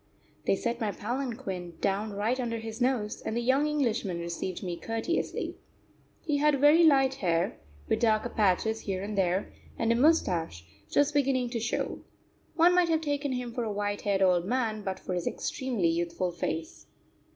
They set my palanquin down right under his nose, and the young Englishman received me courteously. He had very light hair, with darker patches here and there, and a moustache just beginning to show. One might have taken him for a white haired old man but for his extremely youthful face.